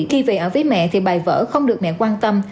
khi về ở với mẹ thì bài vở không được mẹ quan tâm